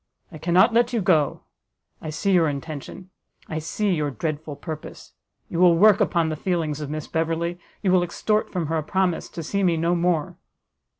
I cannot let you go: I see your intention, I see your dreadful purpose; you will work upon the feelings of Miss Beverley, you will extort from her a promise to see me no more!"